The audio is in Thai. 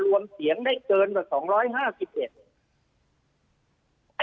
รวมเสียงได้เกินกว่า๒๕๑